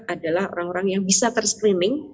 adalah orang orang yang bisa terscreening